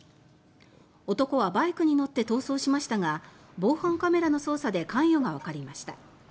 男はバイクに乗って逃走しましたが防犯カメラの捜査で関与がわかりました。